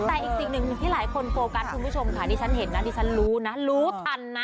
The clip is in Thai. แต่อีกสิ่งหนึ่งที่หลายคนโฟกัสคุณผู้ชมค่ะนี่ฉันเห็นนะดิฉันรู้นะรู้ทันนะ